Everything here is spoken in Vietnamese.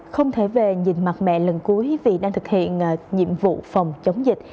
không thể về nhìn mặt mẹ lần cuối vì đang thực hiện nhiệm vụ phòng chống dịch